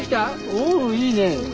おおいいね。